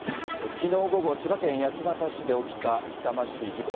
きのう午後、千葉県八街市で起きた痛ましい事故。